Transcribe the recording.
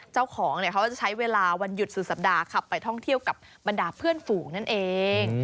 เจ้าของเนี่ยเขาจะใช้เวลาวันหยุดสุดสัปดาห์ขับไปท่องเที่ยวกับบรรดาเพื่อนฝูงนั่นเอง